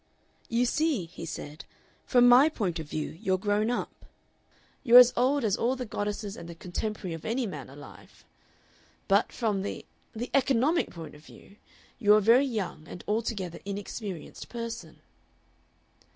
"You see," he said, "from my point of view you're grown up you're as old as all the goddesses and the contemporary of any man alive. But from the the economic point of view you're a very young and altogether inexperienced person."